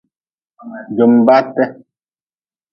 Jumbate.